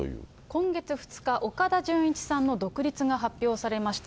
今月２日、岡田准一さんの独立が発表されました。